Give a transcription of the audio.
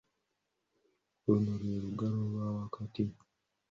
Olunwe lwe lugalo olwa wakati.